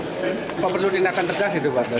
apa perlu tindakan terjangkit pak